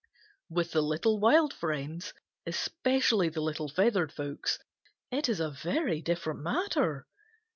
With the little wild friends, especially the little feathered folks, it is a very different matter.